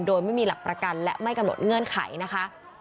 โดยไม่มีหลักประกันและไม่กำหนดเงื่อนไขนะคะ